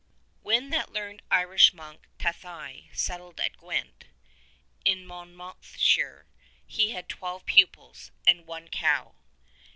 HEN that learned Irish monk Tathai settled at Gwent Y Y ini Monmouthshire, he had twelve pupils, and one cow.